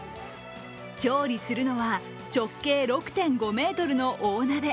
調理するのは、直径６．５ｍの大鍋。